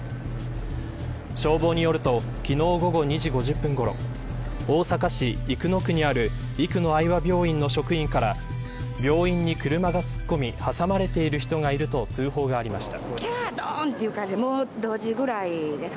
消防によると昨日午後２時５０分ごろ大阪市生野区にある生野愛和病院の職員から病院に車が突っ込み挟まれている人がいると通報がありました。